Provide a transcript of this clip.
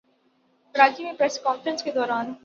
کراچی میں press conference کے دوران